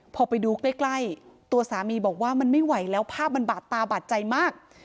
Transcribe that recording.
พอไปดูใกล้ตัวสามีบอกว่ามันไม่ไหวแล้วภาพมันบาดตาบาดใจมาก